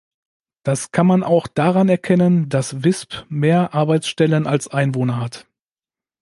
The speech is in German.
Das kann man auch daran erkennen, dass Visp mehr Arbeitsstellen als Einwohner hat.